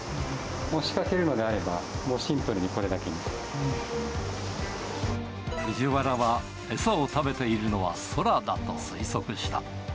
もう仕掛けるのであれば、もうシ藤原は、餌を食べているのは宙だと推測した。